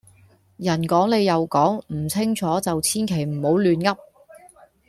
人講你又講唔清楚就千祈唔好亂噏